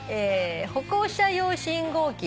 「歩行者用信号機」